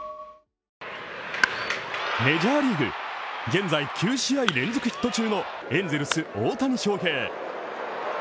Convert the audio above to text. メジャーリーグ、現在９試合連続ヒット中のエンゼルス大谷翔平。